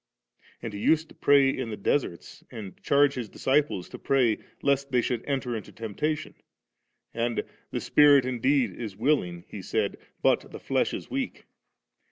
* And He used to pray in the deserts and charge His disciples to pray lest they should enter into temptation ; and, * The spirit indeed is willing,' He said, ' but the flesh is weak.'